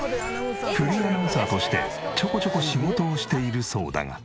フリーアナウンサーとしてちょこちょこ仕事をしているそうだが。